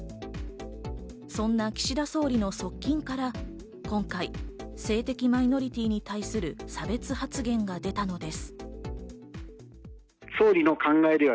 そんな岸田総理の側近から、今回、性的マイノリティーに対する差別発言が出たのです。